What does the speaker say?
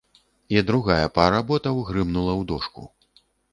І другая пара ботаў грымнула ў дошку.